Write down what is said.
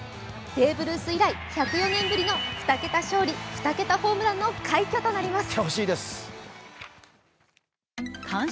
ベーブ・ルース以来１０４年目の２桁勝利・２桁ホームランの快挙となります。